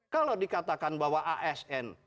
kalau dikatakan bahwa asn